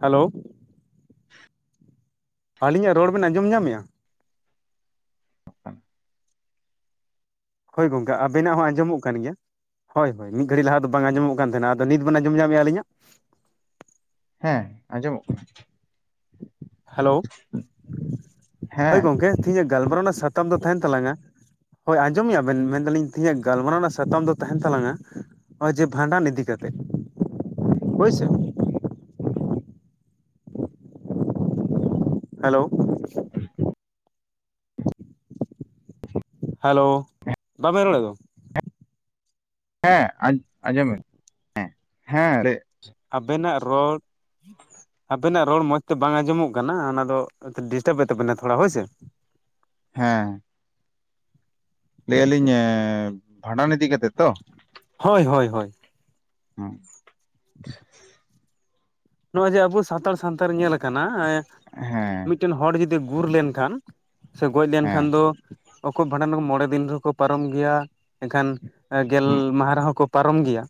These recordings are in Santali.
ᱦᱮᱞᱳ [inaudible] ᱟᱹᱞᱤᱧᱟᱜ ᱨᱚᱲ ᱵᱮᱱ, ᱟᱸᱡᱚᱢ ᱧᱟᱢᱮᱜ-ᱟ? ᱦᱳᱭ ᱜᱚᱝᱠᱮ ᱟᱵᱮᱱᱟᱜ ᱦᱚᱸ, ᱟᱸᱡᱚᱢᱚᱜ ᱠᱟᱱ ᱜᱮᱭᱟ᱾ ᱦᱳᱭ, ᱦᱳᱭ, ᱢᱤᱫ ᱜᱷᱟᱹᱲᱤ ᱞᱟᱦᱟ ᱫᱚ, ᱵᱟᱝ ᱟᱸᱡᱚᱢᱚᱜ ᱠᱟᱱ ᱛᱟᱦᱮᱱᱟ, ᱟᱫᱚ ᱱᱤᱛ ᱵᱮᱱ ᱟᱸᱡᱚᱢ ᱧᱟᱢᱮᱫᱼᱟ ᱟᱹᱞᱤᱧᱟᱜ? ᱦᱮᱸ, ᱟᱸᱡᱚᱢᱚᱜ ᱠᱟᱱᱟ᱾ ᱦᱮᱞᱳ, ᱦᱳᱭ ᱦᱮᱸ ᱜᱚᱝᱠᱮ ᱛᱤᱦᱤᱧᱟᱜ, ᱜᱟᱞᱢᱟᱨᱟᱣ ᱨᱮᱱᱟᱜ ᱥᱟᱛᱟᱢ ᱫᱚ, ᱛᱟᱦᱮᱱ ᱛᱟᱞᱟᱝᱼᱟ? ᱦᱳᱭ ᱟᱸᱡᱚᱢᱮᱜᱼᱟ ᱵᱮᱱ, ᱢᱮᱱᱫᱟᱞᱤᱧ ᱛᱮᱦᱤᱧᱟᱜ ᱜᱟᱞᱢᱟᱨᱟᱣ ᱨᱮᱱᱟᱜ, ᱥᱟᱛᱟᱢ ᱫᱚ ᱛᱟᱦᱮᱱ ᱛᱟᱞᱟᱝᱟ? ᱱᱚᱜᱼᱚᱭ ᱡᱮ ᱵᱷᱟᱸᱰᱟᱱ ᱤᱫᱤ ᱠᱟᱛᱮᱜ, ᱦᱚᱭᱥᱮ᱾ ᱦᱮᱞᱳ, ᱦᱮ [unintelligible] [inaudible] [unintelligible] ᱦᱮᱞᱳ, ᱵᱟᱵᱮᱱ ᱨᱚᱲᱮᱫ ᱫᱚ᱾ ᱦᱮᱸ, ᱟᱸᱡᱚᱢ ᱢᱮ, ᱦᱮᱸ, ᱦᱮᱸ ᱨᱮ᱾ ᱟᱵᱮᱱᱟᱜ ᱨᱚᱲ ᱟᱵᱮᱱᱟᱜ ᱨᱚᱲ, ᱢᱚᱸᱡᱽ ᱛᱮ ᱵᱟᱝ ᱟᱸᱡᱚᱢᱚᱜ ᱠᱟᱱᱟ, ᱚᱱᱟ ᱫᱚ ᱰᱤᱥᱴᱟᱵᱮᱫ ᱛᱟᱵᱮᱱᱟ ᱛᱷᱚᱲᱟ, ᱦᱳᱭᱥᱮ᱾ ᱦᱮᱸ, ᱞᱟᱹᱭᱟᱞᱤᱧ ᱮᱸ, ᱵᱷᱟᱸᱰᱟᱱ ᱤᱫᱤ ᱠᱟᱛᱮᱜ ᱛᱚ? ᱦᱳᱭ, ᱦᱳᱭ, ᱦᱳᱭ᱾ ᱦᱩᱸ ᱟᱪᱪᱷᱟ᱾ ᱱᱚᱜᱼᱚᱭ ᱡᱮ ᱟᱵᱚ, ᱥᱟᱱᱛᱟᱲ ᱥᱟᱶᱛᱟ ᱨᱮ ᱧᱮᱞᱠᱟᱱᱟ, ᱦᱮᱸ ᱢᱤᱫᱴᱮᱱ ᱦᱚᱲ ᱡᱩᱫᱤ ᱜᱩᱨ ᱞᱮᱱᱠᱷᱟᱱ? ᱥᱮ ᱜᱚᱡ ᱞᱮᱱᱠᱷᱟᱱ ᱫᱚ, ᱚᱠᱚ ᱵᱷᱟᱸᱰᱟᱱ ᱢᱚᱬᱮ ᱫᱤᱱ ᱨᱮ ᱦᱚᱠᱚ, ᱯᱟᱨᱚᱢ ᱜᱮᱭᱟ ᱮᱱᱠᱷᱟᱱ ᱜᱮᱞ ᱢᱟᱦᱟ ᱨᱮᱦᱚᱸ ᱠᱚ ᱯᱟᱨᱚᱢ ᱜᱮᱭᱟ,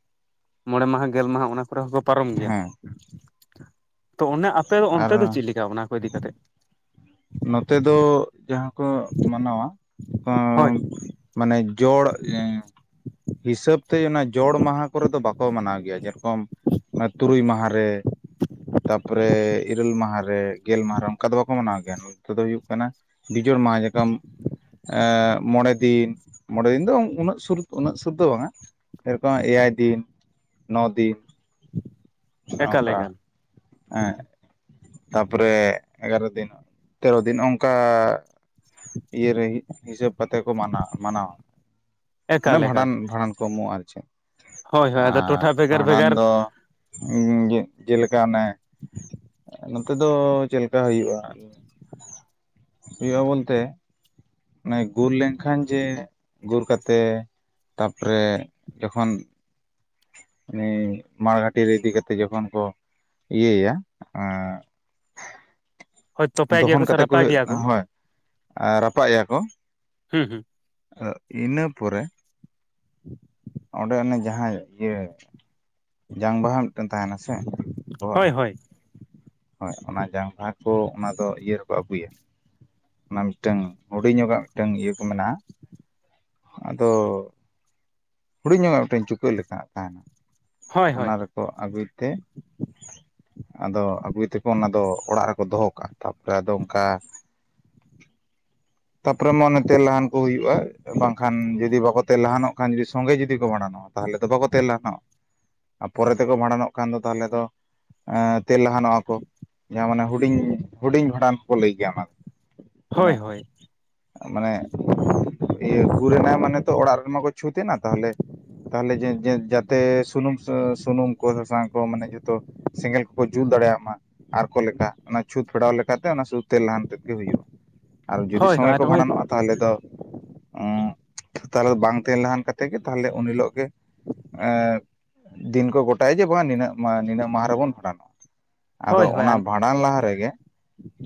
ᱢᱚᱬᱮ ᱢᱟᱦᱟ, ᱜᱮᱞ ᱢᱟᱦᱟ, ᱚᱱᱟ ᱠᱚᱨᱮ ᱦᱚᱸᱠᱚ ᱯᱟᱨᱚᱢ ᱜᱮᱭᱟ᱾ ᱦᱮᱸ ᱛᱚ ᱚᱱᱮ ᱟᱯᱮ ᱫᱚ, ᱟᱨ ᱚᱱᱛᱮ ᱫᱚ ᱪᱤᱜ ᱞᱮᱠᱟ ᱚᱱᱟ ᱠᱚ ᱤᱫᱤ ᱠᱟᱛᱮ? ᱱᱚᱛᱮ ᱫᱚ ᱡᱟᱦᱟᱸ ᱠᱚ, ᱢᱟᱱᱟᱣᱟ ᱦᱳᱭ ᱟᱸ᱾ ᱢᱟᱱᱮ ᱡᱚᱲ, ᱮᱸ᱾ ᱦᱤᱥᱟᱹᱵ ᱛᱮ, ᱚᱱᱟ ᱡᱚᱲ ᱢᱟᱦᱟ ᱠᱚᱨᱮ ᱫᱚ, ᱵᱟᱠᱚ ᱢᱟᱱᱟᱣ ᱜᱮᱭᱟ, ᱡᱮᱨᱚᱠᱚᱢ ᱚᱱᱟ ᱛᱩᱨᱩᱭ ᱢᱟᱦᱟ ᱨᱮ᱾ ᱛᱟᱨᱯᱚᱨᱮ ᱤᱨᱟᱹᱞ ᱢᱟᱦᱟ ᱨᱮ, ᱜᱮᱞ ᱢᱟᱦᱟ ᱨᱮ, ᱚᱱᱠᱟ ᱫᱚ ᱵᱟᱠᱚ ᱢᱟᱱᱟᱣ ᱜᱮᱭᱟ, ᱱᱚᱛᱮ ᱫᱚ ᱦᱳᱭᱩᱜ ᱠᱟᱱᱟ? ᱵᱤᱡᱳᱲ ᱢᱟᱦᱟ, ᱡᱮᱨᱠᱚᱢ ᱮᱸ ᱢᱚᱲᱮᱫᱤᱱ, ᱢᱚᱲᱮᱫᱤᱱ ᱫᱚ ᱩᱱᱟᱹᱜ ᱥᱩᱨ ᱩᱱᱟᱹᱜ ᱥᱩᱨ ᱫᱚ ᱵᱟᱝᱟ, ᱥᱮᱨᱚᱠᱚᱢ ᱮᱭᱟᱭ ᱫᱤᱱ, ᱱᱚ ᱫᱤᱱ᱾ ᱮᱠᱟᱞ ᱱᱚᱝᱠᱟ ᱮᱠᱟᱞ ᱦᱮᱸ᱾ ᱛᱟᱯᱚᱨᱮ ᱮᱜᱟᱨᱚ ᱫᱤᱱ, ᱛᱮᱨᱚ ᱫᱤᱱ ᱚᱝᱠᱟ᱾ ᱱᱤᱭᱟᱹ ᱞᱟᱹᱜᱤᱫ ᱦᱤᱥᱟᱹᱵ ᱠᱟᱛᱮ ᱠᱚ ᱢᱟᱱᱟᱣ, ᱢᱟᱱᱟᱣᱟ᱾ ᱢᱟᱱᱮ ᱮᱠᱟᱞ ᱮᱠᱟᱞ ᱵᱷᱟᱸᱰᱟᱱ, ᱵᱷᱟᱸᱰᱟᱱ ᱠᱚ ᱮᱢᱚᱜᱼᱟ, ᱟᱨ ᱪᱮᱫ ᱦᱳᱭ ᱦᱳᱭ ᱟᱫᱚ ᱟᱨ ᱴᱚᱴᱷᱟ ᱵᱷᱮᱜᱟᱨ ᱵᱷᱟᱸᱰᱟᱱ ᱵᱷᱮᱜᱟᱨ ᱫᱚ᱾ ᱩᱢ ᱱᱤᱛ ᱪᱮᱞᱮᱠᱟ ᱚᱱᱮ ᱚᱱᱛᱮ ᱫᱚ ᱪᱮᱫ ᱞᱮᱠᱟ ᱦᱳᱭᱩᱜᱼᱟ? ᱦᱳᱭᱳᱜᱼᱟ ᱵᱚᱞᱛᱮ ᱢᱟᱱᱮ ᱜᱩᱨ ᱞᱮᱱᱠᱷᱟᱱ ᱡᱮ, ᱜᱩᱨ ᱠᱟᱛᱮ ᱛᱟᱯᱚᱨᱮ ᱡᱚᱠᱷᱚᱱ ᱩᱱᱤ ᱢᱟᱲᱜᱷᱟᱴᱤ ᱨᱮ ᱤᱫᱤ ᱠᱟᱛᱮ, ᱡᱚᱠᱷᱚᱱ ᱠᱚ ᱤᱭᱟᱹᱭᱟ, ᱮᱸ ᱦᱳᱭ ᱛᱚᱯᱮ ᱜᱮᱭᱟ ᱫᱚᱦᱚᱱ ᱥᱮ ᱠᱟᱛᱮ ᱠᱚ ᱨᱟᱯᱟᱜ ᱦᱩᱭᱩᱜ, ᱜᱮᱭᱟ ᱦᱳᱭ ᱨᱟᱯᱟᱜ ᱮᱭᱟ ᱠᱚ ᱦᱩᱸ, ᱦᱩᱸ᱾ ᱤᱱᱟᱹ ᱯᱚᱨᱮ, ᱚᱸᱰᱮ ᱚᱱᱮ ᱡᱟᱦᱟᱸᱭ ᱤᱭᱟᱹ ᱡᱟᱝ ᱵᱟᱦᱟ ᱢᱤᱫᱴᱮᱱ ᱛᱟᱦᱮᱱᱟ ᱥᱮ, ᱵᱚᱦᱚᱜ ᱦᱳᱭ ᱨᱮᱱᱟᱜ ᱦᱳᱭ ᱦᱳᱭ, ᱚᱱᱟ ᱡᱟᱝ ᱵᱟᱦᱟ ᱠᱚ, ᱚᱱᱟᱫᱚ ᱤᱭᱟᱹ ᱨᱮᱠᱚ ᱟᱹᱜᱩᱭᱟ᱾ ᱚᱱᱟ ᱢᱤᱫᱴᱟᱝ ᱦᱩᱰᱤᱧ ᱧᱚᱜᱟᱜ, ᱢᱤᱫᱴᱟᱝ ᱤᱭᱟᱹ ᱠᱚ ᱢᱮᱱᱟᱜᱼᱟ, ᱟᱫᱚ ᱦᱩᱰᱤᱧ ᱧᱚᱜᱟᱜ ᱢᱤᱫᱴᱮᱱ ᱪᱩᱠᱟᱹ ᱞᱮᱠᱟ, ᱛᱟᱦᱮᱸᱱᱟ ᱦᱳᱭ ᱦᱳᱭ ᱚᱱᱟ ᱨᱮ᱾ ᱠᱚ ᱟᱹᱜᱩᱭ ᱛᱮ ᱟᱫᱚ ᱟᱹᱜᱩᱭ ᱛᱮᱠᱚ ᱚᱱᱟᱫᱚ ᱚᱲᱟᱜ ᱨᱮᱠᱚ ᱫᱚᱦᱚ ᱠᱟᱜᱼᱟ, ᱛᱟᱨᱯᱚᱨᱮ ᱟᱫᱚ ᱚᱠᱟ? ᱛᱟᱯᱚᱨᱮ ᱢᱟ ᱚᱱᱮ ᱛᱮᱞ ᱱᱟᱦᱟᱱ ᱠᱚ ᱦᱩᱭᱩᱜᱼᱟ ᱵᱟᱝᱠᱷᱟᱱ ᱡᱩᱫᱤ ᱵᱟᱠᱚ ᱛᱮᱞ ᱞᱟᱦᱟᱱᱚᱜ ᱠᱷᱟᱱ ᱡᱩᱫᱤ ᱥᱚᱸᱜᱮ ᱡᱩᱫᱤ ᱠᱚ ᱵᱷᱟᱰᱟᱱᱚᱜᱼᱟ ᱛᱟᱦᱚᱞᱮ ᱫᱚ ᱵᱟᱠᱚ ᱛᱮᱞ ᱞᱟᱦᱟᱱᱚᱜᱼᱟ ᱟᱨ ᱯᱚᱨᱮ ᱛᱮᱠᱚ ᱵᱷᱟᱸᱰᱟᱱᱚᱜ ᱠᱷᱟᱱ ᱫᱚ ᱛᱟᱦᱚᱞᱮ ᱫᱚ, ᱛᱮᱞ ᱞᱟᱦᱟᱱᱚᱜᱼᱟ ᱠᱚ ᱡᱟᱦᱟᱸ ᱢᱟᱱᱮ ᱦᱩᱰᱤᱧ ᱦᱩᱰᱤᱧ ᱵᱷᱟᱸᱰᱟᱱ ᱦᱚᱸᱠᱚ ᱞᱟᱹᱭ ᱜᱮᱭᱟ ᱚᱱᱟ ᱫᱚ, ᱢᱟᱱᱮ ᱦᱳᱭ ᱦᱳᱭ, ᱢᱟᱱᱮ ᱤᱭᱟᱹ ᱜᱩᱨᱮᱱᱟᱭ ᱢᱟᱱᱮ ᱛᱚ ᱚᱲᱟᱜ ᱨᱮᱢᱟᱠᱚ ᱪᱷᱩᱸᱛ ᱮᱱᱟ ᱛᱟᱦᱞᱮ, ᱛᱟᱦᱞᱮ ᱡᱟᱛᱮ ᱥᱩᱱᱩᱢ ᱥᱩᱱᱩᱢ ᱠᱚ ᱥᱟᱥᱟᱝ ᱠᱚ ᱢᱟᱱᱮ ᱡᱷᱚᱛᱚ, ᱥᱮᱸᱜᱮᱞ ᱠᱚᱠᱚ ᱡᱩᱞ ᱫᱟᱲᱮᱭᱟᱜ ᱢᱟ, ᱟᱨ ᱠᱚ ᱞᱮᱠᱟ ᱚᱱᱟ ᱪᱷᱩᱸᱛ ᱯᱷᱮᱰᱟᱣ ᱞᱮᱠᱟᱛᱮ ᱚᱱᱟ ᱥᱩᱫᱷᱩ ᱛᱮᱞ ᱞᱟᱦᱟᱱ ᱛᱮᱫ ᱜᱮ ᱦᱩᱭᱩᱜᱼᱟ, ᱟᱨ ᱡᱩᱫᱤ ᱦᱳᱭ ᱦᱳᱭ ᱥᱚᱸᱜᱮ ᱟᱨ ᱠᱚ ᱱᱚᱜᱼᱚᱭ ᱵᱷᱟᱸᱰᱟᱱᱚᱜᱼᱟ ᱛᱟᱦᱚᱞᱮ ᱫᱚ ᱛᱟᱦᱞᱮ ᱫᱚ ᱵᱟᱝ ᱛᱟᱦᱮᱸ ᱛᱮᱞ ᱞᱟᱦᱟᱱ, ᱠᱟᱛᱮ ᱜᱮ ᱛᱟᱦᱞᱮ ᱩᱱ ᱦᱤᱞᱳᱜ ᱜᱮ, ᱫᱤᱱ ᱠᱚ ᱜᱚᱴᱟᱭᱟ ᱡᱮ ᱵᱟᱝᱼᱟ ᱱᱤᱱᱟᱹᱜ ᱱᱤᱱᱟᱹᱜ ᱢᱟᱦᱟ ᱨᱮᱵᱚᱱ ᱵᱷᱟᱸᱰᱟᱱᱚᱜᱼᱟ, ᱟᱫᱚ ᱦᱳᱭ ᱦᱳᱭ ᱚᱱᱟ ᱵᱷᱟᱸᱰ ᱵᱷᱟᱸᱰᱟᱱ ᱞᱟᱦᱟ ᱨᱮᱜᱮ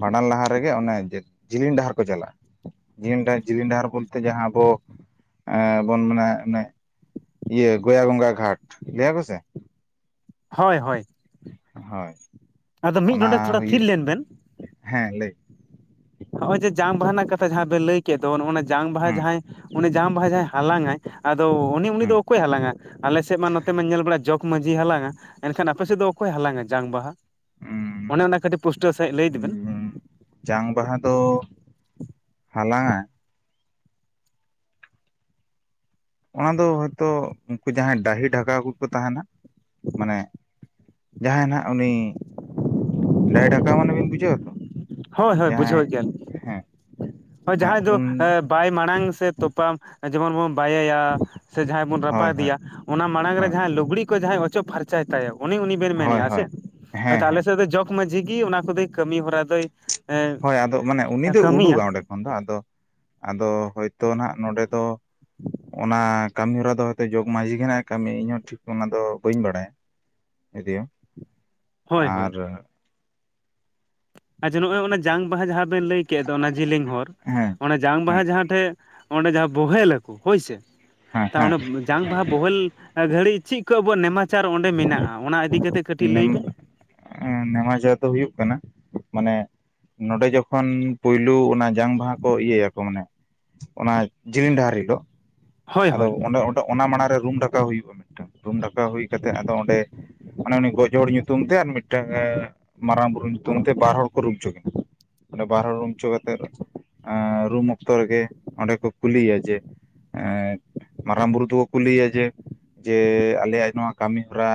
ᱵᱷᱟᱸᱰᱟᱱ ᱞᱟᱦᱟ ᱨᱮᱜᱮ ᱵᱷᱟᱸᱰᱟᱱ ᱞᱟᱦᱟ ᱨᱮᱜᱮ ᱚᱱᱮ ᱡᱤᱞᱤᱧ ᱰᱟᱦᱟᱨ ᱠᱚ, ᱪᱟᱞᱟᱜᱼᱟ ᱡᱤᱞᱤᱧ ᱰᱟᱦᱟᱨ ᱡᱤᱞᱤᱧ ᱰᱟᱦᱟᱨ ᱵᱚᱞᱛᱮ ᱡᱟᱦᱟᱸ ᱟᱵᱚ, ᱮᱸ ᱵᱚᱱ ᱢᱟᱱᱮ, ᱢᱟᱱᱮ ᱤᱭᱟᱹ ᱜᱚᱭᱟ ᱜᱚᱝᱜᱟ ᱜᱷᱟᱴ ᱞᱟᱹᱭ ᱟᱠᱚ ᱥᱮ, ᱦᱳᱭ ᱦᱳᱭ ᱦᱳᱭ ᱟᱫᱚ ᱢᱤᱫ ᱚᱱᱟ ᱱᱚᱸᱰᱮᱠ ᱛᱷᱚᱲᱟ ᱛᱷᱤᱨ ᱦᱩᱭᱩᱜ ᱞᱮᱱ ᱵᱮᱱ, ᱦᱮᱸ ᱞᱟᱹᱭ ᱵᱤᱱ ᱱᱚᱜᱼᱚᱭ ᱡᱮ ᱡᱟᱝ ᱵᱟᱦᱟ ᱨᱮᱱᱟᱜ ᱠᱟᱛᱷᱟ ᱡᱟᱦᱟᱸ ᱵᱮᱱ ᱞᱟᱹᱭ ᱠᱮᱫ ᱫᱚ ᱱᱚᱜ- ᱱᱟ ᱡᱟᱝ ᱵᱟᱦᱟ ᱦᱩᱸ ᱡᱟᱦᱟᱸᱭ ᱩᱱᱤ ᱡᱟᱝ ᱵᱟᱦᱟ ᱡᱟᱦᱟᱸᱭ ᱦᱟᱞᱟᱝᱟᱭ, ᱟᱫᱚ ᱩᱱᱤ ᱩᱱᱤ ᱫᱚ ᱚᱠᱚᱭᱮ ᱦᱟᱞᱟᱝᱟ ᱟᱞᱮ ᱥᱮᱫ ᱢᱟ ᱱᱚᱛᱮ ᱢᱟ ᱧᱮᱞ ᱵᱟᱲᱟ ᱡᱚᱜ ᱢᱟᱺᱡᱷᱤᱭ ᱦᱟᱞᱟᱝᱼᱟ ᱮᱱᱠᱷᱟᱱ ᱟᱯᱮ ᱥᱮᱫ ᱫᱚ ᱚᱠᱚᱭ ᱦᱟᱞᱟᱝᱼᱟ ᱡᱟᱝ ᱵᱟᱦᱟ, ᱚᱱᱮ ᱚᱱᱟ ᱠᱟᱹᱴᱤᱡ ᱯᱩᱴᱟᱹᱣ ᱥᱟᱦᱤᱡ ᱞᱟᱹᱭ ᱤᱫᱤᱵᱤᱱ, ᱦᱩᱸ ᱡᱟᱝ ᱵᱟᱦᱟ ᱫᱚ ᱦᱟᱞᱟᱝᱼᱟᱭ, ᱚᱱᱟ ᱫᱚ ᱦᱳᱭᱛᱳ ᱩᱱᱠᱩ ᱡᱟᱦᱟᱸᱭ ᱰᱟᱹᱦᱤ ᱰᱷᱟᱠᱟ ᱠᱚᱠᱚ ᱛᱟᱦᱮᱸᱱᱟ ᱢᱟᱱᱮ, ᱡᱟᱦᱟᱸᱭ ᱱᱷᱟᱜ ᱩᱱᱤ ᱰᱟᱹᱦᱤ ᱰᱷᱟᱠᱟ ᱢᱟᱱᱮ ᱵᱤᱱ ᱵᱩᱡᱷᱟᱹᱣᱼᱫᱟ ᱛᱚ ᱦᱳᱭ ᱦᱳᱭ ᱡᱟᱦᱟᱸᱭ ᱵᱩᱡᱷᱟᱹᱣᱮᱫ ᱜᱮᱭᱟ ᱞᱤᱧ ᱦᱮᱸ ᱦᱳᱭ ᱦᱮᱸ ᱡᱟᱦᱟᱸᱭ ᱫᱚ ᱩᱱ ᱮᱸ ᱵᱟᱭ ᱢᱟᱲᱟᱝ ᱥᱮ ᱛᱚᱯᱟ ᱡᱮᱢᱚᱱ ᱵᱚᱱ ᱵᱟᱭᱮᱭᱟ ᱥᱮ ᱡᱟᱦᱟᱸᱭ ᱵᱚᱱ ᱦᱳᱭ ᱨᱟᱯᱟᱜ ᱦᱳᱭ ᱜᱮᱭᱟ, ᱚᱱᱟ ᱢᱟᱲᱟᱝ ᱨᱮ ᱦᱳᱭ ᱡᱟᱦᱟᱸᱭ ᱞᱩᱜᱽᱲᱤ ᱠᱚ ᱡᱟᱦᱟᱸᱭ ᱚᱪᱚᱜ ᱯᱷᱟᱨᱪᱟᱭ ᱛᱟᱭᱟ ᱩᱱᱤ ᱩᱱᱤ, ᱵᱮᱱ ᱦᱳᱭ ᱢᱮᱱᱮᱜᱼᱟ ᱦᱮᱸ ᱥᱮ ᱦᱳᱭ ᱦᱮᱸ ᱦᱳᱭᱛᱚ ᱦᱮᱸ ᱟᱞᱮᱥᱮᱫ ᱫᱚ ᱡᱚᱜᱽ ᱢᱟᱡᱷᱤ ᱜᱮ ᱚᱱᱟ ᱠᱚᱫᱚᱭ ᱠᱟᱹᱢᱤ ᱦᱚᱨᱟ ᱫᱚᱭ ᱮᱸ ᱦᱳᱭ ᱟᱫᱚ ᱢᱟᱱᱮ ᱩᱱᱤ ᱫᱚᱭ ᱠᱟᱹᱢᱤᱭᱟ ᱩᱰᱩᱠᱟ ᱚᱸᱰᱮ ᱠᱷᱚᱱ ᱫᱚ ᱟᱫᱚ ᱟᱫᱚ ᱦᱳᱭᱛᱚ ᱱᱟᱜ ᱱᱚᱰᱮ ᱫᱚ, ᱚᱱᱟ ᱠᱟᱹᱢᱤᱦᱚᱨᱟ ᱫᱚ ᱦᱚᱭᱛᱚ ᱡᱚᱜᱽ ᱢᱟᱹᱡᱷᱤ ᱱᱟᱜ ᱠᱟᱹᱢᱤᱭᱟ ᱤᱧᱦᱚᱸ ᱴᱷᱤᱠ ᱚᱱᱟ ᱫᱚ ᱵᱟᱹᱧ ᱵᱟᱲᱟᱭᱟ, ᱤᱫᱤᱭᱟ ᱦᱳᱭ ᱦᱳᱭ ᱟᱨ ᱟᱪᱪᱷᱟ ᱱᱚᱜᱚᱭ ᱚᱱᱟ ᱡᱟᱝ ᱵᱟᱦᱟ ᱡᱟᱦᱟᱸ ᱵᱮᱱ ᱞᱟᱹᱭ ᱠᱮᱫ ᱫᱚ ᱚᱱᱟ ᱡᱮᱞᱮᱧ ᱦᱚᱨ ᱦᱮᱸ ᱚᱱᱟ, ᱡᱟᱝ ᱵᱟᱦᱟ ᱦᱮᱸ ᱡᱟᱦᱟᱸ ᱴᱷᱮᱡ ᱚᱸᱰᱮ ᱡᱟᱦᱟᱸ ᱵᱚᱦᱮᱞ ᱟᱠᱚ ᱦᱳᱭᱥᱮ ᱦᱮᱸ ᱛᱚ ᱚᱱᱰᱮ ᱡᱟᱝ ᱵᱟᱦᱟ ᱵᱳᱦᱮᱞ, ᱜᱷᱟᱹᱲᱤᱡ ᱪᱤᱫ ᱠᱚ ᱟᱵᱚᱣᱟᱜ ᱱᱮᱢᱟᱪᱟᱨ ᱚᱸᱰᱮ ᱢᱮᱱᱟᱜᱼᱟ ᱚᱱᱟ ᱤᱫᱤᱠᱟ ᱠᱟᱛᱮᱜ ᱠᱟᱹᱴᱤᱡ, ᱱᱮᱢ ᱞᱟᱹᱭ ᱵᱮᱱ ᱱᱮᱢᱟᱪᱟᱨ ᱫᱚ ᱦᱩᱭᱩᱜ ᱠᱟᱱᱟ ᱢᱟᱱᱮ, ᱱᱚᱸᱰᱮ ᱡᱚᱠᱷᱚᱱ ᱯᱩᱭᱞᱩ ᱚᱱᱟ, ᱡᱟᱝ ᱵᱟᱦᱟ ᱠᱚ ᱤᱭᱟᱹᱭᱟᱠᱚ ᱢᱟᱱᱮ ᱚᱱᱟ ᱡᱤᱞᱤᱧ ᱰᱟᱦᱟᱨ ᱦᱤᱞᱳᱜ, ᱦᱳᱭ ᱟᱫᱚ ᱦᱳᱭ ᱚᱸᱰᱮᱸ ᱚᱱᱟ ᱢᱟᱲᱟᱝ ᱨᱮ ᱨᱩᱢ ᱰᱟᱠᱟᱣ ᱦᱩᱭᱩᱜᱼᱟ ᱢᱤᱫᱴᱟᱝ ᱨᱩᱢ ᱰᱟᱠᱟᱣ ᱦᱩᱭ ᱠᱟᱛᱮᱜ ᱟᱫᱚ ᱚᱸᱰᱮ, ᱢᱟᱱᱮ ᱩᱱᱤ ᱜᱚᱡ ᱦᱚᱲ ᱧᱩᱛᱩᱢ ᱛᱮ ᱟᱨ ᱢᱤᱫᱴᱟᱝ ᱢᱟᱨᱟᱝ ᱵᱩᱨᱩ ᱧᱩᱛᱩᱢ ᱛᱮ ᱵᱟᱨ ᱦᱚᱲ ᱠᱚ ᱨᱩᱯ ᱦᱚᱪᱚ ᱠᱤᱱᱟ, ᱚᱰᱮ ᱵᱟᱨ ᱦᱚᱲ ᱨᱩᱢ ᱦᱚᱪᱚ ᱠᱟᱛᱮᱜ ᱨᱩᱢ ᱚᱠᱛᱚ ᱨᱮᱜᱮ ᱚᱸᱰᱮ ᱠᱚ ᱠᱩᱞᱤᱭᱮᱭᱟ ᱡᱮ, ᱮᱸ ᱢᱟᱨᱟᱝ ᱵᱩᱨᱩ ᱫᱚᱠᱚ ᱠᱩᱞᱤᱭᱟ ᱡᱮ, ᱡᱮ ᱟᱞᱮᱭᱟᱜ ᱱᱚᱣᱟ ᱠᱟᱹᱢᱤ ᱦᱚᱨᱟ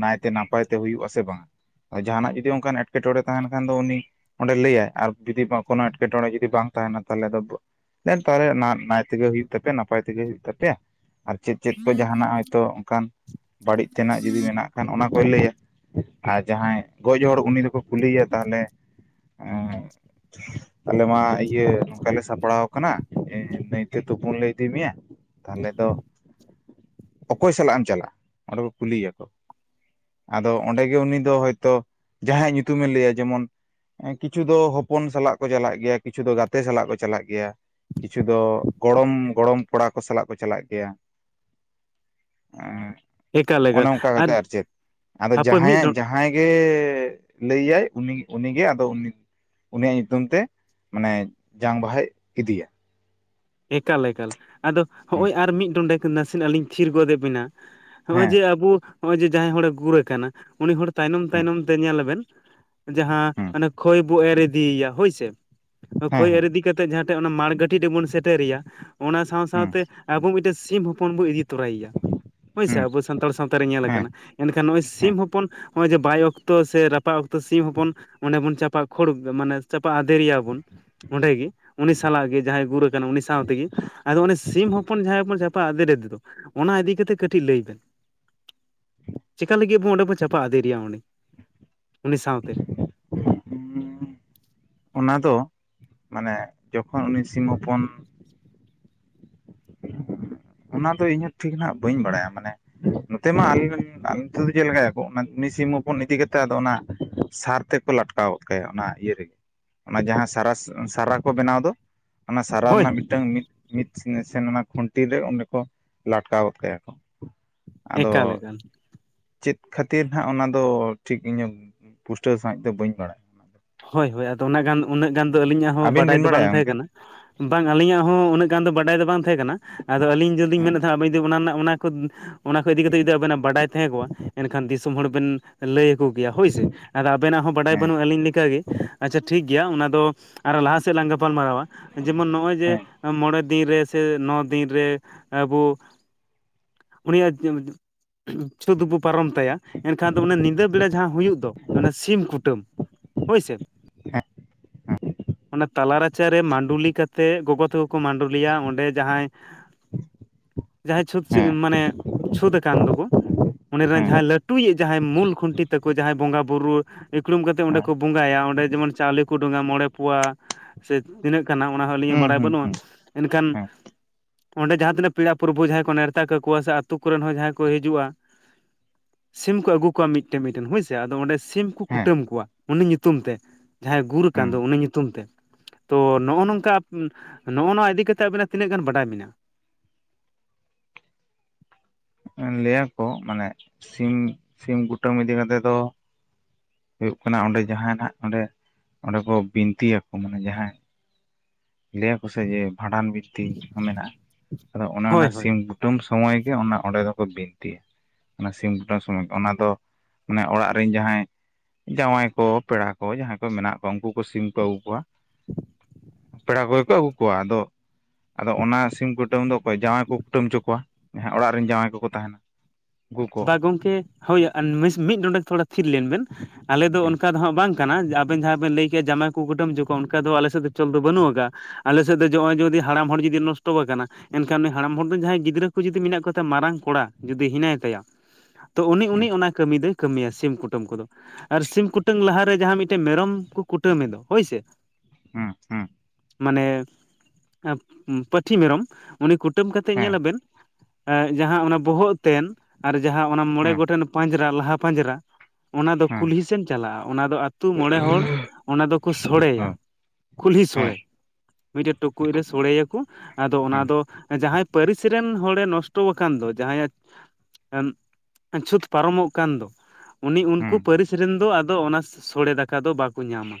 ᱱᱟᱭᱛᱮ ᱱᱟᱯᱟᱭ ᱛᱮ ᱦᱩᱭᱩᱜᱟ ᱥᱮ ᱵᱟᱝ? ᱡᱟᱦᱟᱸᱱᱟᱜ ᱡᱩᱫᱤ ᱚᱱᱠᱟᱱ ᱮᱴᱠᱮᱴᱚᱬᱮ ᱛᱟᱦᱮᱸᱱ ᱠᱷᱟᱱ ᱫᱚ ᱩᱱᱤ, ᱚᱸᱰᱮ ᱞᱟᱹᱭᱟᱭ ᱟᱨ ᱡᱩᱫᱤ ᱵᱟᱝ ᱠᱳᱱᱳ ᱮᱸᱴᱠᱮᱴᱚᱬᱮ ᱡᱩᱫᱤ ᱵᱟᱝ ᱛᱟᱦᱮᱸᱱᱟ ᱛᱟᱦᱞᱮ ᱟᱫᱚ ᱛᱟᱦᱞᱮ ᱱᱟᱭ ᱛᱮᱜᱮ ᱦᱩᱭᱩᱜ ᱛᱟᱯᱮ ᱱᱟᱯᱟᱭ ᱱᱟᱯᱟᱭ ᱛᱮᱜᱮ ᱦᱩᱭᱩᱜ ᱛᱟᱯᱮᱭᱟ, ᱟᱨ ᱪᱮᱫ ᱪᱮᱫ ᱠᱚ ᱡᱟᱦᱱᱟᱜ ᱦᱚᱭ ᱛᱚ ᱚᱱᱠᱟᱱ ᱵᱟᱹᱲᱤᱡ ᱛᱮᱱᱟᱜ ᱡᱩᱫᱤ ᱢᱮᱱᱟᱜ ᱠᱷᱟᱱ ᱚᱱᱟ ᱠᱚᱭ ᱞᱟᱹᱭᱟ, ᱟᱨ ᱡᱟᱦᱟᱸᱭ ᱜᱚᱡ ᱦᱚᱲ ᱩᱱᱤ ᱫᱚᱠᱚ ᱠᱩᱞᱤᱭᱮᱭᱟ ᱛᱟᱦᱚᱞᱮ ᱦᱮᱸ ᱛᱟᱦᱚᱞᱮ ᱢᱟ ᱤᱭᱟᱹ ᱱᱚᱝᱠᱟ ᱞᱮ ᱥᱟᱯᱲᱟᱣ ᱟᱠᱟᱱᱟ ᱱᱟᱹᱭᱛᱮ ᱛᱩᱯᱩᱱ ᱞᱮ ᱤᱫᱤ ᱢᱮᱭᱟ, ᱛᱟᱦᱞᱮ ᱫᱚ ᱚᱠᱚᱭ ᱥᱟᱞᱟᱜ ᱮᱢ ᱪᱟᱞᱟᱜᱼᱟ ᱚᱸᱰᱮ ᱠᱚ ᱠᱩᱞᱤᱭᱟ ᱠᱚ, ᱟᱫᱚ ᱚᱸᱰᱮ ᱜᱮ ᱩᱱᱤ ᱫᱚ ᱦᱚᱭᱛᱳ ᱡᱟᱦᱟᱸᱭᱟᱜ ᱧᱩᱛᱩᱢᱮ ᱞᱟᱹᱭᱟ ᱡᱮᱢᱚᱱ ᱠᱤᱪᱷᱩ ᱫᱚ ᱦᱚᱯᱚᱱ ᱥᱟᱞᱟᱜ ᱠᱚ ᱪᱟᱞᱟᱜ ᱜᱮᱭᱟ ᱠᱤᱪᱷᱩ ᱫᱚ ᱜᱟᱛᱮ ᱥᱟᱞᱟᱜ ᱠᱚ ᱪᱟᱞᱟᱜ ᱜᱮᱭᱟ᱾ ᱠᱤᱪᱷᱩ ᱫᱚ ᱜᱚᱲᱚᱢ ᱜᱚᱲᱚᱢ ᱠᱚᱲᱟ ᱠᱚ ᱥᱟᱞᱟᱜ ᱠᱚ ᱪᱟᱞᱟᱜ ᱜᱮᱭᱟ ᱮᱠᱟᱞ ᱾ ᱮᱠᱟᱞ ᱚᱱᱮ ᱚᱱᱠᱟ ᱠᱟᱛᱮ ᱟᱨ ᱪᱮᱫ, ᱟᱫᱚ ᱦᱟᱯᱳᱭ ᱢᱤᱫ ᱡᱟᱦᱟᱸᱭᱟᱜ ᱰᱚᱸ ᱡᱟᱦᱟᱸ ᱡᱟᱦᱟᱸᱭ ᱜᱮ ᱞᱟᱹᱭᱟᱭ ᱩᱱᱤ ᱩᱱᱤᱜᱮ ᱟᱫᱚ ᱩᱱᱤ ᱩᱱᱤᱭᱟᱜ ᱧᱩᱛᱩᱢ ᱛᱮ ᱢᱟᱱᱮ ᱡᱟᱝ ᱵᱟᱦᱟᱭ ᱤᱫᱤᱭᱟ᱾ ᱮᱠᱟᱞ ᱮᱠᱟᱞ ᱟᱫᱚ ᱦᱮᱸ ᱦᱚᱸᱜᱼᱚᱭ ᱟᱨ ᱢᱤᱫ ᱰᱚᱸᱰᱮᱜ ᱱᱟᱥᱮ ᱱᱟᱜ ᱞᱤᱧ ᱛᱷᱤᱨ ᱜᱚᱫᱮᱜ ᱵᱤᱱᱟ᱾ ᱱᱚᱜᱼᱚᱭ ᱦᱮᱸ ᱡᱮ ᱟᱵᱩ ᱱᱚᱜᱼᱚᱭ ᱡᱮ ᱡᱟᱦᱟᱸᱭ ᱦᱚᱲᱮ ᱜᱩᱨ ᱠᱟᱱᱟ, ᱩᱱᱤ ᱦᱚᱲ ᱛᱟᱭᱱᱚᱢ ᱛᱟᱭᱱᱚᱢ ᱛᱮ ᱧᱮᱞ ᱟᱵᱮᱱ ᱦᱮᱸ ᱡᱟᱦᱟᱸ ᱠᱷᱚᱭ ᱵᱚ ᱮᱨ ᱤᱫᱤᱭᱮᱭᱟ ᱦᱳᱭᱥᱮ, ᱦᱮᱸ ᱠᱷᱚᱭ ᱮᱨ ᱤᱫᱤ ᱤᱫᱤ ᱠᱟᱛᱮᱜ ᱡᱟᱦᱟ ᱴᱷᱮᱜ ᱚᱱᱟ ᱢᱟᱬᱜᱟᱹᱴᱤ ᱨᱮᱵᱚᱱ ᱥᱮᱴᱮᱨᱮᱭᱟ, ᱚᱱᱟ ᱥᱟᱶ ᱥᱟᱶ ᱦᱮᱸ ᱛᱮ ᱟᱵᱚ ᱢᱤᱫᱴᱮᱱ ᱥᱤᱢ ᱦᱚᱯᱚᱱ ᱵᱚᱱ ᱤᱫᱤ ᱛᱚᱨᱟᱭᱮᱭᱟ ᱦᱳᱭᱥᱮ, ᱦᱮᱸ ᱟᱵᱚ ᱥᱟᱱᱛᱟᱲ ᱥᱟᱶᱛᱟᱮ ᱧᱮᱞ ᱦᱮᱸ ᱟᱠᱟᱱᱟ, ᱮᱱᱠᱷᱟᱱ ᱱᱚᱜᱼᱚᱭ ᱦᱮᱸ ᱥᱤᱢ ᱦᱚᱯᱚᱱ ᱦᱚᱜᱼᱚᱭ ᱡᱮ ᱵᱟᱭ ᱚᱠᱛᱚ ᱥᱮ ᱨᱟᱯᱟᱜ ᱚᱠᱛᱚ ᱥᱤᱢ ᱦᱚᱯᱚᱱ ᱚᱸᱰᱮ ᱵᱚᱱ ᱪᱟᱯᱟᱜ ᱠᱷᱳᱲ ᱢᱟᱱᱮ ᱪᱟᱯᱟ ᱟᱫᱮᱨᱮᱭᱟ ᱵᱚᱱ ᱚᱸᱰᱮᱜᱤ ᱩᱱᱤ ᱥᱟᱞᱟᱜ ᱜᱮ᱾ ᱡᱟᱦᱟᱸᱭ ᱜᱩᱨ ᱩᱱᱤ ᱥᱟᱶ ᱛᱮᱜᱮ, ᱟᱫᱚ ᱩᱱᱤ ᱥᱤᱢ ᱦᱚᱯᱚᱱ ᱡᱟᱦᱟᱸᱭ ᱵᱚᱱ ᱪᱟᱯᱟᱜ ᱟᱫᱮᱨ ᱟᱫᱮ ᱫᱚ, ᱚᱱᱟ ᱤᱫᱤ ᱠᱟᱛᱮ ᱠᱟᱹᱴᱤᱡ ᱞᱟᱹᱭ ᱵᱮᱱ᱾ ᱪᱮᱠᱟ ᱞᱟᱹᱜᱤᱫ ᱟᱵᱚ ᱚᱸᱰᱮ ᱵᱚᱱ ᱪᱟᱯᱟ ᱟᱫᱮᱨᱮᱭᱟ ᱚᱸᱰᱮ, ᱩᱱᱤ ᱥᱟᱶᱛᱮ? [unintelligible] ᱚᱱᱟ ᱫᱚ ᱢᱟᱱᱮ ᱡᱚᱠᱷᱚᱱ ᱩᱱᱤ ᱥᱤᱢ ᱦᱚᱯᱚᱱ ᱚᱱᱟ ᱫᱚ ᱤᱧ ᱦᱚᱸ ᱴᱷᱤᱠ ᱱᱟᱦᱟᱜ ᱵᱟᱹᱧ ᱵᱟᱲᱟᱭᱟ, ᱢᱟᱱᱮ ᱱᱚᱛᱮ ᱢᱟ ᱟᱞᱮ ᱟᱞ [inaudible] ᱱᱚᱛᱮ ᱫᱚ ᱪᱮᱫ ᱞᱮᱠᱟᱭᱟᱠᱚ ᱩᱱᱤ ᱥᱤᱢ ᱦᱚᱯᱚᱱ ᱤᱫᱤ ᱠᱟᱛᱮᱫ ᱟᱫᱚ ᱚᱱᱟ ᱥᱟᱨ ᱛᱮᱠᱚ ᱞᱟᱴᱠᱼᱟ ᱞᱟᱴᱠᱟᱣ ᱜᱟᱫ ᱠᱟᱭᱟ ᱚᱱᱟ ᱤᱭᱟᱹ ᱨᱮᱜᱮ ᱚᱱᱟ ᱡᱟᱦᱟᱸ ᱥᱟᱨᱟ ᱥᱟ- ᱥᱟᱨᱟ ᱠᱚ ᱵᱮᱱᱟᱣ ᱫᱚ ᱚᱱᱟ ᱥᱟᱨᱟ ᱦᱳᱭ ᱨᱮᱱᱟᱜ ᱦᱳᱭ ᱢᱤᱫᱴᱟᱝ ᱢᱤᱫ ᱢᱤᱫ ᱥᱮ-ᱥᱮᱱ ᱚᱱᱟ ᱠᱷᱩᱱᱴᱤ ᱨᱮ ᱚᱰᱮ ᱠᱚ ᱞᱟᱴᱠᱟᱣ ᱜᱚᱫ ᱠᱟᱭᱟ ᱠᱚ᱾ ᱟᱫᱚ ᱮᱠᱟᱞ ᱮᱠᱟᱱ, ᱪᱮᱫ ᱠᱷᱟᱹᱛᱤᱨ ᱦᱟᱜ ᱚᱱᱟ ᱫᱚ ᱴᱷᱤᱠ ᱤᱧ ᱦᱚᱸ ᱯᱩᱥᱴᱟᱹᱣ ᱥᱟᱦᱤᱡ ᱫᱚ ᱵᱟᱹᱧ ᱵᱟᱲᱟᱭᱟ᱾ ᱦᱳᱭ ᱦᱳᱭ ᱟᱫᱚ ᱚᱱᱟ ᱜᱟᱱ ᱩᱱᱟᱹᱜ ᱜᱟᱱ ᱫᱚ ᱟᱹᱞᱤᱧᱟᱜ ᱦᱚᱸ ᱟᱹᱵᱤᱱ ᱵᱟᱰᱟᱭ ᱵᱤᱱ ᱫᱚ ᱵᱟᱝ ᱵᱟᱲᱟᱭᱟ ᱛᱟᱦᱮᱸ ᱜᱚᱝᱠᱮ ᱠᱟᱱᱟ᱾ ᱵᱟᱝ ᱟᱹᱞᱤᱧᱟᱜ ᱦᱚᱸ ᱩᱱᱟᱹᱜ ᱜᱟᱱ ᱫᱚ ᱵᱟᱰᱟᱭ ᱫᱚ ᱵᱟᱝ ᱛᱟᱦᱮᱸ ᱠᱟᱱᱟ᱾ ᱟᱫᱚ ᱟᱹᱞᱤᱧ ᱡᱚᱫᱤᱧ ᱞᱤᱧ ᱦᱮᱸ ᱢᱮᱱᱮᱫ ᱛᱟᱦᱮᱱᱟ ᱟᱵᱤᱱ ᱡᱩᱫᱤ ᱚᱱᱟ ᱨᱮᱱᱟᱜ ᱚᱱᱟ ᱠᱚ ᱚᱱᱟ ᱠᱚ ᱤᱫᱤ ᱠᱟᱛᱮ ᱡᱩᱫᱤ ᱟᱵᱤᱱᱟᱜ ᱡᱩᱫᱤ ᱵᱟᱰᱟᱭ ᱛᱟᱦᱮᱸ ᱠᱚᱜ ᱟ ᱮᱱᱠᱷᱟᱱ ᱫᱤᱥᱚᱢ ᱦᱚᱲ ᱵᱤᱱ ᱞᱟᱹᱭ ᱟᱠᱚ ᱠᱮᱭᱟ ᱦᱳᱭ ᱥᱮ ᱟᱫᱚ ᱟᱵᱮ ᱱᱟᱜ ᱦᱚᱸ ᱵᱟᱰᱟᱭ ᱦᱮᱸ ᱵᱟᱹᱱᱩᱜᱼᱟ ᱟᱹᱞᱤᱧ ᱞᱮᱠᱟ ᱜᱮ᱾ ᱟᱪᱪᱷᱟ ᱴᱷᱤᱠ ᱜᱮᱭᱟ ᱚᱱᱟ ᱫᱚ ᱟᱨᱚ ᱞᱟᱦᱟ ᱥᱮᱫ ᱞᱟᱝ ᱜᱟᱯᱟᱞ ᱢᱟᱨᱟᱣᱟ, ᱡᱮᱢᱚᱱ ᱱᱚᱜᱼᱚᱭ ᱡᱮ ᱦᱮᱸ ᱢᱚᱬᱮ ᱫᱤᱱ ᱨᱮ ᱥᱮ ᱱᱚ ᱫᱤᱱ ᱨᱮ ᱟᱵᱚ ᱩᱱᱤᱭᱟᱜ ᱪᱷᱩᱸᱛ ᱵᱚ ᱯᱟᱨᱚᱢ ᱛᱟᱭᱟ ᱮᱱᱠᱷᱟᱱ ᱫᱚ ᱚᱱᱟ ᱧᱤᱫᱟᱹ ᱵᱮᱲᱟ ᱡᱟᱦᱟᱸ ᱦᱩᱭᱩᱜ ᱫᱚ ᱥᱤᱢ ᱠᱩᱴᱟᱹᱢ ᱦᱳᱭ ᱚᱱᱟ ᱛᱟᱞᱟ ᱨᱟᱪᱟᱨᱮ ᱢᱟᱰᱩᱞᱤ ᱠᱟᱛᱮ ᱜᱚᱜᱚ ᱛᱟᱠᱚ ᱠᱚ ᱢᱟᱰᱚᱞᱤᱭᱟ ᱚᱸᱰᱮ ᱡᱟᱦᱟᱸᱭ ᱡᱟᱦᱟᱸᱭ ᱪᱷᱩᱸᱛ ᱦᱮᱸ ᱢᱟᱱᱮ ᱪᱷᱩᱸᱛ ᱟᱠᱟᱱ ᱫᱚᱠᱚ, ᱚᱸᱰᱮ ᱦᱮᱸ ᱨᱮᱱ ᱦᱮᱸ ᱡᱟᱦᱟᱸᱭ ᱞᱟᱹᱴᱩᱭᱤᱡ ᱡᱟᱦᱟᱸᱭ ᱢᱩᱞ ᱠᱷᱩᱱᱴᱤ ᱛᱟᱹᱠᱚ ᱡᱟᱦᱟᱸᱭ ᱵᱚᱸᱜᱟ ᱵᱩᱨᱩ ᱤᱠᱷᱲᱩᱢ ᱠᱟᱛᱮ ᱚᱸᱰᱮ ᱠᱚ ᱵᱚᱸᱜᱟᱭᱟ ᱚᱸᱰᱮ ᱡᱮᱢᱚᱱ ᱪᱟᱣᱞᱮ ᱠᱚ ᱰᱚᱝᱼᱟ ᱢᱚᱬᱮ ᱯᱳᱣᱟ ᱥᱮ ᱛᱤᱱᱟᱹᱜ ᱠᱟᱱᱟ ᱚᱱᱟ ᱦᱚᱸ ᱟᱹᱞᱤᱧᱟᱜ ᱦᱩᱸ ᱵᱟᱲᱟᱭ ᱦᱩᱸ ᱵᱟᱹᱱᱩᱜᱼᱟ ᱮᱱᱠᱷᱟᱱ ᱦᱩᱸ ᱚᱸᱰᱮ ᱡᱟᱦᱟᱸ ᱛᱤᱱᱟᱹᱜ ᱯᱮᱲᱟ ᱯᱨᱚᱵᱵᱷᱩ ᱡᱟᱦᱟᱸᱭ ᱠᱚ ᱱᱮᱣᱛᱟ ᱠᱟᱠᱚᱣᱟ ᱥᱮ ᱟᱛᱳ ᱠᱚᱨᱮᱱ ᱦᱚᱸ ᱡᱟᱦᱟᱸᱭ ᱠᱚ ᱦᱤᱡᱩᱜᱼᱟ᱾ ᱥᱤᱢ ᱠᱚ ᱟᱹᱜᱩ ᱠᱚᱣᱟ ᱢᱤᱫᱴᱮᱱ ᱢᱤᱫᱴᱮᱱ ᱦᱮᱸ ᱥᱮ ᱟᱫᱚ ᱚᱸᱰᱮ ᱥᱤᱢ ᱠᱚ ᱦᱮᱸ ᱠᱩᱴᱟᱹᱢ ᱠᱚᱣᱟ ᱩᱱᱤ ᱧᱩᱛᱩᱢ ᱛᱮ ᱡᱟᱦᱟᱸᱭ ᱜᱩᱨ ᱟᱠᱟᱱ ᱦᱮᱸ ᱫᱚ ᱩᱱᱤ ᱧᱩᱛᱩᱢ ᱛᱮ᱾ ᱛᱚ ᱱᱚᱜᱼᱚ ᱱᱚᱝᱠᱟ ᱱᱚᱜᱼᱚ ᱱᱚᱣᱟ ᱤᱫᱤ ᱠᱟᱛᱮ ᱟᱵᱤᱱᱟᱜ ᱛᱤᱱᱟᱹᱜ ᱜᱟᱱ ᱵᱟᱰᱟᱭ ᱢᱮᱱᱟᱜᱼᱟ᱾ ᱞᱟᱹᱭᱟᱠᱚ ᱢᱟᱱᱮ ᱥᱤᱢ ᱥᱤᱢ ᱠᱩᱴᱟᱹᱢ ᱤᱫᱤ ᱠᱟᱛᱮᱫ ᱫᱚ ᱦᱩᱭᱩᱜ ᱠᱟᱱᱟ ᱚᱸᱰᱮ ᱡᱟᱦᱟᱸᱱᱟᱜ ᱚᱸᱰᱮ ᱚᱸᱰᱮ ᱠᱚ ᱵᱤᱱᱛᱤ ᱟᱠᱚ ᱢᱟᱱᱮ ᱡᱟᱦᱟᱸᱭ ᱞᱟᱹᱭ ᱟᱠᱚ ᱥᱮ ᱡᱮ ᱵᱷᱟᱸᱰᱟᱱ ᱵᱤᱱᱛᱤ ᱦᱚᱸ ᱢᱮᱱᱟᱜᱼᱟ ᱟᱫᱚ ᱚᱱᱮ ᱦᱳᱭ ᱚᱱᱟ ᱦᱳᱭ ᱥᱤᱢ ᱠᱩᱴᱟᱹᱢ ᱥᱚᱢᱚᱭ ᱜᱮ ᱚᱱᱟ ᱚᱸᱰᱮ ᱫᱚᱠᱚ ᱵᱤᱱᱛᱤᱭᱟ᱾ ᱚᱱᱟ ᱥᱤᱢ ᱠᱩᱴᱟᱹᱢ ᱥᱚᱢᱚᱭ ᱚᱱᱟ ᱫᱚ ᱢᱟᱱᱮ ᱚᱲᱟᱜ ᱨᱮᱱ ᱡᱟᱦᱟᱸᱭ ᱡᱟᱶᱟᱭ ᱠᱚ ᱯᱮᱲᱟ ᱠᱚ ᱡᱟᱦᱟᱸᱭ ᱠᱚ ᱢᱮᱱᱟᱜ ᱠᱚᱣᱟ ᱩᱱᱠᱩ ᱠᱚ ᱥᱤᱢ ᱠᱚ ᱟᱹᱜᱩ ᱠᱚᱣᱟ᱾ ᱯᱮᱲᱟ ᱠᱚᱜᱮ ᱠᱚ ᱟᱹᱜᱩ ᱠᱚᱣᱟ ᱟᱫᱚ ᱟᱫᱚ ᱚᱱᱟ ᱥᱤᱢ ᱠᱩᱴᱟᱹᱢ ᱫᱚ ᱚᱠᱚᱭ ᱡᱟᱶᱟᱭ ᱠᱚ ᱠᱩᱴᱟᱹᱢ ᱦᱚᱪᱚ ᱠᱚᱣᱟ ᱡᱟᱦᱟᱸ ᱚᱲᱟᱜ ᱨᱮᱱ ᱡᱟᱶᱟᱭ ᱠᱚ ᱠᱚ ᱛᱟᱦᱮᱱᱟ᱾ ᱩᱱᱠᱩ ᱠᱚ ᱵᱟ ᱜᱚᱝᱠᱮ ᱦᱳᱭ ᱢᱤᱫ ᱰᱚᱸᱰᱮ ᱛᱷᱚᱲᱟ ᱛᱷᱤᱨ ᱞᱮᱱ ᱵᱮᱱ ᱟᱞᱮ ᱫᱚ ᱚᱱᱠᱟ ᱫᱚ ᱦᱟᱸᱜ ᱵᱟᱝ ᱠᱟᱱᱟ ᱟᱵᱮᱱ ᱡᱟᱦᱟᱸ ᱵᱮᱱ ᱞᱟᱹᱭ ᱠᱮᱜᱼᱟ ᱡᱟᱢᱟᱭ ᱠᱚ ᱠᱩᱴᱟᱹ ᱦᱚᱪᱚ ᱠᱚᱣᱟ ᱚᱱᱠᱟ ᱫᱚ ᱟᱞᱮᱥᱮᱫ ᱫᱚ ᱪᱚᱞ ᱫᱚ ᱵᱟᱹᱱᱩᱜ ᱟᱠᱟᱫᱟ᱾ ᱟᱞᱮ ᱥᱮᱫ ᱫᱚ ᱱᱚᱜᱼᱚᱭ ᱡᱩᱫᱤ ᱦᱟᱲᱟᱢ ᱦᱚᱲ ᱡᱩᱫᱤ ᱱᱚᱥᱴᱚ ᱟᱠᱟᱱᱟ᱾ ᱮᱱᱠᱷᱟᱱ ᱩᱱᱤ ᱦᱟᱲᱟᱢ ᱦᱚᱲ ᱫᱚ ᱡᱟᱦᱟᱸᱭ ᱜᱤᱫᱽᱨᱟᱹ ᱠᱚ ᱡᱩᱫᱤ ᱢᱮᱱᱟᱜ ᱠᱚ ᱛᱟᱭᱟ ᱢᱟᱨᱟᱝ ᱠᱚᱲᱟ ᱡᱩᱫᱤ ᱦᱮᱱᱟᱭ ᱛᱟᱭᱟ᱾ ᱛᱚ ᱩᱱᱤ ᱩᱱᱤ ᱚᱱᱟ ᱠᱟᱹᱢᱤ ᱫᱚᱭ ᱠᱟᱹᱢᱤᱭᱟ ᱥᱤᱢ ᱠᱩᱴᱟᱹᱢ ᱠᱚᱫᱚ ᱟᱨ ᱥᱤᱢ ᱠᱩᱴᱟᱹᱢ ᱞᱟᱦᱟᱨᱮ ᱡᱟᱦᱟᱸ ᱢᱤᱫᱴᱮᱱ ᱢᱮᱨᱚᱢ ᱠᱚ ᱠᱩᱴᱟᱹᱢᱮ ᱫᱚ ᱦᱳᱭ ᱥᱮ ᱢᱟᱱᱮ ᱯᱟᱹᱴᱷᱤ ᱢᱮᱨᱚᱢ ᱩᱱᱤ ᱠᱩᱴᱟᱹᱢ ᱠᱟᱛᱮᱫ ᱧᱮᱞ ᱟᱵᱮᱱ᱾ ᱮ ᱡᱟᱦᱟᱸ ᱚᱱᱟ ᱵᱚᱦᱚᱜ ᱛᱮᱱ ᱟᱨ ᱡᱟᱦᱟᱸ ᱚᱱᱟ ᱢᱚᱬᱮ ᱜᱚᱴᱮᱱ ᱯᱟᱸᱡᱽᱨᱟ ᱞᱟᱦᱟ ᱯᱟᱸᱡᱽᱨᱟ᱾ ᱚᱱᱟ ᱫᱚ ᱠᱩᱞᱦᱤ ᱥᱮᱱ ᱪᱟᱞᱟᱜᱼᱟ ᱚᱱᱟ ᱫᱚ ᱟᱛᱳ ᱢᱚᱬᱮ ᱦᱚᱲ ᱚᱱᱟ ᱫᱚᱠᱚ ᱥᱚᱲᱮᱭᱟ ᱠᱩᱞᱦᱤ ᱥᱚᱲᱮ ᱢᱤᱫᱴᱮᱱ ᱴᱩᱠᱩᱡ ᱨᱮ ᱥᱳᱲᱮᱭᱟᱠᱚ᱾ ᱟᱫᱚ ᱚᱱᱟ ᱫᱚ ᱡᱟᱦᱟᱸᱭ ᱯᱟᱹᱨᱤᱥ ᱨᱮᱱ ᱦᱚᱲᱮ ᱱᱚᱥᱴᱚ ᱟᱠᱟᱱ ᱫᱚ ᱡᱟᱦᱟᱸᱭᱟᱜ ᱪᱷᱩᱸᱛ ᱯᱟᱨᱚᱢᱚᱜ ᱠᱟᱱ ᱫᱚ ᱩᱱᱤ ᱩᱱᱠᱩ ᱯᱟᱹᱨᱤᱥ ᱨᱮᱱ ᱫᱚ ᱟᱫᱚ ᱚᱱᱟ ᱥᱚᱲᱮ ᱫᱟᱠᱟ ᱫᱚ ᱵᱟᱠᱚ ᱧᱟᱢᱟ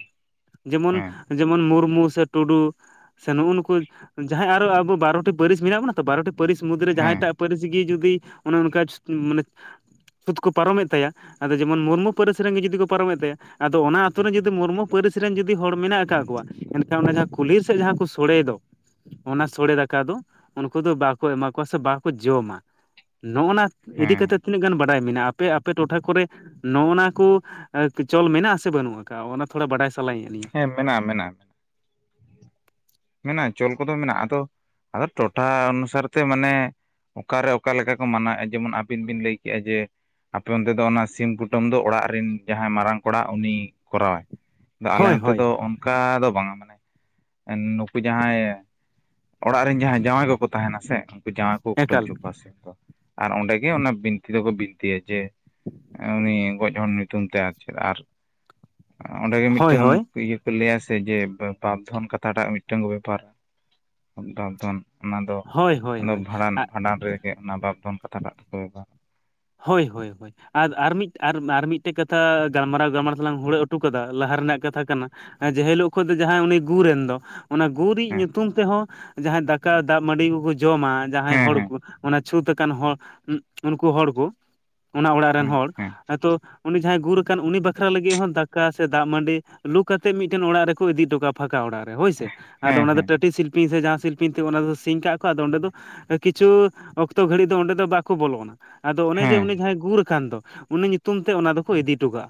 ᱡᱮᱢᱚᱱ ᱡᱮᱢᱚᱱ ᱢᱩᱨᱢᱩ ᱥᱮ ᱴᱩᱰᱩ ᱥᱮ ᱱᱩᱜ-ᱩ ᱱᱩᱠᱩ ᱡᱟᱦᱟᱸᱭ ᱟᱨᱚ ᱟᱵᱚ ᱵᱟᱨᱚᱴᱤ ᱯᱟᱹᱨᱤᱥ ᱢᱮᱱᱟᱜ ᱵᱚᱱᱟ᱾ ᱵᱟᱨᱚᱴᱤ ᱯᱟᱹᱨᱤᱥ ᱢᱩᱫᱽᱨᱮ ᱡᱟᱦᱟᱸᱭᱴᱟᱜ ᱯᱟᱹᱨᱤᱥ ᱜᱮ ᱡᱩᱫᱤ ᱚᱱᱮ ᱚᱱᱠᱟ ᱢᱟᱱᱮ ᱪᱷᱩᱸᱫ ᱠᱚ ᱯᱟᱨᱚᱢᱮᱫ ᱛᱟᱭᱟ ᱟᱫᱚ ᱡᱮᱢᱚᱱ ᱢᱩᱨᱢᱩ ᱯᱟᱹᱨᱤᱥ ᱨᱮᱱᱜᱮ ᱡᱩᱫᱤ ᱠᱚ ᱯᱟᱨᱚᱢᱮᱫ ᱛᱟᱭᱟ᱾ ᱟᱫᱚ ᱚᱱᱟ ᱟᱛᱳ ᱨᱮ ᱡᱩᱫᱤ ᱢᱩᱨᱢᱩ ᱯᱟᱹᱨᱤᱥ ᱨᱮᱱ ᱡᱩᱫᱤ ᱦᱚᱲ ᱢᱮᱱᱟᱜ ᱟᱠᱟᱜ ᱠᱚᱣᱟ ᱮᱱᱠᱷᱟᱱ ᱚᱱᱟ ᱡᱟᱦᱟᱸ ᱠᱩᱞᱦᱤ ᱥᱮᱜ ᱡᱟᱦᱟᱸ ᱠᱚ ᱥᱳᱲᱮ ᱫᱚ᱾ ᱚᱱᱟ ᱥᱚᱲᱮ ᱫᱟᱠᱟ ᱫᱚ ᱩᱱᱠᱩ ᱫᱚ ᱵᱟᱠᱚ ᱮᱢᱟ ᱠᱚᱣᱟ ᱥᱮ ᱵᱟᱠᱚ ᱡᱚᱢᱟ ᱱᱚᱜ ᱱᱟ ᱤᱫᱤ ᱦᱮᱸ ᱠᱟᱛᱮᱫ ᱛᱤᱱᱟᱹᱜ ᱜᱟᱱ ᱵᱟᱰᱟᱭ ᱢᱮᱱᱟᱜᱼᱟ ᱟᱯᱮ ᱟᱯᱮ ᱴᱚᱴᱷᱟ ᱠᱚᱨᱮ ᱱᱚᱜᱼ ᱱᱟ ᱠᱚ ᱪᱚᱞ ᱢᱮᱱᱟᱜ ᱥᱮ ᱵᱟᱹᱱᱩᱜ ᱟᱠᱟᱜ ᱚᱱᱟ ᱛᱷᱚᱲᱟ ᱵᱟᱰᱟᱭ ᱥᱟᱱᱟᱭᱮᱫ ᱞᱤᱧᱟ ᱦᱮᱸ ᱢᱮᱱᱟᱜᱼᱟ ᱢᱮᱱᱟᱜᱼᱟ ᱢᱮᱱᱟᱜᱼᱟ ᱪᱚᱞ ᱠᱚᱫᱚ ᱢᱮᱱᱟᱜᱼᱟ ᱟᱫᱚ ᱟᱫᱚ ᱴᱚᱴᱷᱟ ᱚᱱᱩᱥᱟᱨ ᱛᱮ ᱢᱟᱱᱮ ᱚᱠᱟᱨᱮ ᱚᱠᱟ ᱞᱮᱠᱟ ᱠᱚ ᱢᱟᱱᱟᱣᱮᱫᱼᱟ ᱡᱮᱢᱚᱱ ᱟᱵᱤᱱ ᱵᱤᱱ ᱞᱟᱹᱭ ᱠᱮᱫᱼᱟ ᱡᱮ ᱟᱯᱮ ᱚᱱᱛᱮ ᱫᱚ ᱚᱱᱟ ᱥᱤᱢ ᱠᱩᱴᱟᱹᱢ ᱫᱚ ᱚᱲᱟᱜ ᱨᱮᱱ ᱡᱟᱦᱟᱸᱭ ᱢᱟᱨᱟᱝ ᱠᱚᱲᱟ ᱩᱱᱤ ᱠᱚᱨᱟᱣᱟᱭ ᱟᱞᱮ ᱦᱳᱭ ᱱᱚᱛᱮ ᱦᱳᱭ ᱫᱚ ᱚᱱᱠᱟ ᱫᱚ ᱵᱟᱝᱟ ᱢᱟᱱᱮ ᱩᱱᱠᱩ ᱡᱟᱦᱟᱸᱭ ᱚᱲᱟᱜ ᱨᱮᱱ ᱡᱟᱦᱟᱸᱭ ᱡᱟᱶᱟᱭ ᱠᱚᱠᱚ ᱛᱟᱦᱮᱱᱟ ᱥᱮ ᱡᱟᱶᱟᱭ ᱠᱚ ᱠᱩᱴᱟᱹᱢ ᱮᱠᱟᱞ ᱦᱚᱪᱚ ᱠᱚᱣᱟ ᱥᱮ ᱟᱨ ᱚᱸᱰᱮᱜᱮ ᱚᱱᱟ ᱵᱤᱱᱛᱤ ᱫᱚᱠᱚ ᱵᱤᱱᱛᱤᱭᱟ ᱡᱮ ᱩᱱᱤ ᱜᱚᱡ ᱦᱚᱲ ᱧᱩᱛᱩᱢ ᱛᱮ ᱟᱨ ᱪᱮᱫ ᱟᱨ ᱚᱸᱰᱮᱜᱮ ᱦᱳᱭ ᱢᱤᱫᱴᱟᱝ ᱦᱳᱭ ᱤᱭᱟᱹ ᱠᱚ ᱞᱟᱹᱭᱟ ᱥᱮ ᱡᱮ ᱵᱟᱯ ᱫᱷᱚᱱ ᱠᱟᱛᱷᱟ ᱴᱟᱜ, ᱢᱤᱫᱴᱮᱱ ᱠᱚ ᱵᱮᱯᱟᱨ ᱚᱱᱟ ᱫᱚ ᱦᱳᱭ ᱦᱳᱭ ᱚᱱᱟᱫᱚ ᱦᱳᱭ ᱵᱷᱟᱸᱰᱟᱱ ᱵᱷᱟᱸᱰᱟᱱ ᱨᱮ ᱚᱱᱟ ᱵᱟᱯᱫᱷᱚᱱ ᱠᱟᱛᱷᱟ ᱴᱟᱜ ᱫᱚᱠᱚ ᱵᱮᱵᱚᱦᱟᱨᱟ᱾ ᱦᱳᱭ ᱦᱳᱭ ᱦᱳᱭ᱾ ᱟᱨ ᱟᱨ ᱢᱤᱫ ᱟᱨ ᱢᱤᱫᱴᱮᱡ ᱠᱟᱛᱷᱟ ᱜᱟᱞᱢᱟᱨᱟᱣ ᱜᱟᱞᱢᱟᱨᱟᱣ ᱛᱮᱞᱟᱝ ᱦᱩᱲᱟᱹ ᱦᱚᱴᱚ ᱠᱟᱫᱟ ᱞᱟᱦᱟ ᱨᱮᱱᱟᱜ ᱠᱟᱛᱷᱟ ᱠᱟᱱᱟ᱾ ᱡᱮ ᱦᱤᱞᱳᱜ ᱠᱷᱚᱱ ᱫᱚ ᱡᱟᱦᱟᱸᱭ ᱩᱱᱤ ᱜᱩᱨ ᱨᱮᱱ ᱫᱚ, ᱚᱱᱟ ᱜᱩᱨᱤᱡ ᱦᱮᱸ ᱧᱩᱛᱩᱢ ᱛᱮᱦᱚᱸ ᱡᱟᱦᱟᱸᱭ ᱫᱟᱠᱟ ᱫᱟᱜ ᱢᱟᱹᱰᱤ ᱠᱚ ᱠᱚ ᱡᱚᱢᱟ ᱡᱟᱦᱟᱸᱭ ᱦᱮᱸ ᱦᱚᱲ ᱦᱮᱸ ᱠᱚ, ᱚᱱᱟ ᱪᱷᱩᱸᱛ ᱟᱠᱟᱱ ᱦᱚᱲ ᱩᱱᱠᱩ ᱦᱚᱲ ᱠᱚ, ᱚᱱᱟ ᱚᱲᱟᱜ ᱨᱮᱱ ᱦᱮᱸ ᱦᱚᱲ ᱦᱮᱸ ᱟᱫᱚ ᱩᱱᱤ ᱡᱟᱦᱟᱸᱭ ᱜᱩᱨ ᱠᱟᱱ ᱩᱱᱤ ᱵᱟᱠᱷᱨᱟ ᱞᱟᱹᱜᱤᱫ ᱦᱚᱸ ᱫᱟᱠᱟ ᱥᱮ ᱫᱟᱜ ᱢᱟᱹᱰᱤ ᱞᱩ ᱠᱟᱛᱮᱫ ᱢᱤᱫ ᱴᱮᱱ ᱚᱲᱟᱜ ᱨᱮᱠᱚ ᱤᱫᱤ ᱦᱚᱴᱚ ᱠᱟ-ᱟ᱾ ᱯᱷᱟᱸᱠᱟ ᱚᱲᱟᱜ ᱨᱮ ᱦᱳᱭ ᱥᱮ ᱟᱫᱚ ᱦᱮᱸ ᱚᱱᱟ ᱫᱚ ᱦᱮᱸ ᱴᱟᱴᱤ ᱥᱤᱞᱯᱤᱧ ᱥᱮ ᱡᱟᱦᱟᱸ ᱥᱤᱞᱯᱤᱧ ᱛᱮ ᱚᱱᱟ ᱫᱚ ᱥᱤᱧ ᱠᱟᱜ ᱠᱚ ᱟᱫᱚ ᱚᱸᱰᱮ ᱫᱚ ᱠᱤᱪᱷᱩ ᱚᱠᱛᱚ ᱜᱷᱟᱹᱲᱤᱡ ᱫᱚ ᱚᱸᱰᱮ ᱫᱚ ᱵᱟᱠᱚ ᱵᱚᱞᱚᱱᱼᱟ᱾ ᱫᱚ ᱚᱱᱮ ᱡᱮ ᱦᱮᱸ ᱩᱱᱤ ᱡᱟᱦᱟᱸᱭ ᱜᱩᱨ ᱟᱠᱟᱱ ᱫᱚ ᱩᱱᱤ ᱧᱩᱛᱩᱢ ᱛᱮ ᱚᱱᱟ ᱫᱚ ᱠᱚ ᱤᱫᱤ ᱦᱚᱴᱚ ᱠᱟᱜᱼᱟ,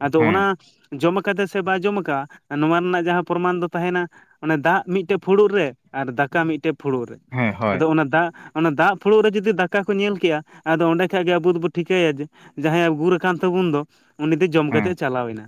ᱟᱫᱚ ᱦᱮᱸ ᱚᱱᱟ ᱡᱚᱢ ᱟᱠᱟᱫᱟ ᱥᱮ ᱵᱟᱭ ᱡᱚᱢ ᱟᱠᱟᱟᱜᱼᱟ ᱱᱚᱣᱟ ᱨᱮᱱᱟᱜ ᱡᱟᱦᱟᱸ ᱯᱨᱚᱢᱟᱱ ᱫᱚ ᱛᱟᱦᱮ ᱱᱟ᱾ ᱚᱱᱮ ᱫᱟᱜ ᱢᱤᱫ ᱴᱮᱜ ᱯᱷᱩᱲᱩᱜ ᱨᱮ ᱟᱨ ᱫᱟᱠᱟ ᱢᱤᱫ ᱴᱮᱜ ᱯᱷᱩᱲᱩᱜ ᱨᱮ, ᱦᱮᱸ ᱦᱳᱭ ᱟᱫᱚ ᱚᱱᱟ ᱫᱟᱜ ᱚᱱᱟ ᱫᱟᱜ ᱯᱷᱩᱲᱩᱜ ᱨᱮ ᱡᱩᱫᱤ ᱫᱟᱠᱟ ᱠᱚ ᱧᱮᱞ ᱠᱮᱜᱼᱟ ᱟᱫᱚ ᱚᱸᱰᱮ ᱠᱷᱟᱡ ᱜᱮ ᱟᱵᱚ ᱫᱚᱵᱚ ᱴᱷᱤᱠᱟᱹᱭᱟ ᱡᱮ ᱡᱟᱦᱟᱸᱭ ᱡᱮ ᱜᱩᱨ ᱟᱠᱟᱱ ᱛᱟᱵᱚᱱ ᱫᱚ ᱩᱱᱤ ᱫᱚ ᱡᱚᱢ ᱠᱟᱛᱮ ᱦᱮᱸ ᱮ ᱪᱟᱞᱟᱣ ᱮᱱᱟ᱾